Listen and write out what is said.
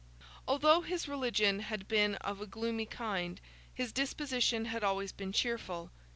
Although his religion had been of a gloomy kind, his disposition had been always cheerful.